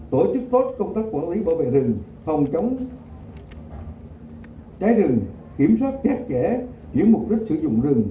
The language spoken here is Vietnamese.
tổ chức tốt công tác quản lý bảo vệ rừng phòng trống trái rừng kiểm soát chắc chẽ những mục đích sử dụng rừng